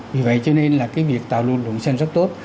vì vậy cho nên là cái việc tạo luồng xanh rất tốt